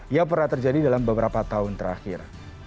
yang pernah terjadi dalam beberapa tahun terakhir